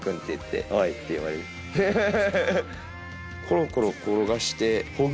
コロコロ転がしてほぐす。